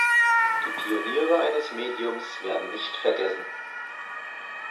Die Pioniere eines Mediums werden nicht vergessen.